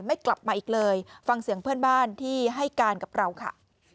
ไม่กลับมาอีกเลยฟังเสียงเพื่อนบ้านที่ให้การกับเราค่ะ